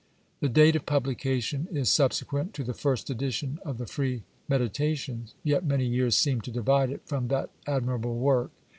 The date of publication is subsequent to the first edition of the " Free Meditations," yet many years seem to divide it from that admirable work.